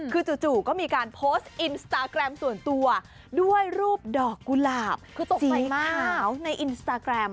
คือจู่ก็มีการโพสต์อินสตาแกรมส่วนตัวด้วยรูปดอกกุหลาบคือตกใจมากขาวในอินสตาแกรม